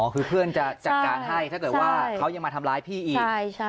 คือเพื่อนจะจัดการให้ถ้าเกิดว่าเขายังมาทำร้ายพี่อีก